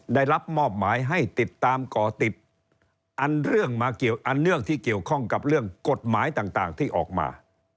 ได้รับมอบหมายให้ติดตามก่อติดอันเรื่องที่เกี่ยวข้องกับเรื่องกฎหมายต่างที่ออกมา